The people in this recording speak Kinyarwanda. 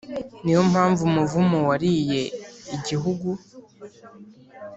ni yo mpamvu umuvumo wariye igihugu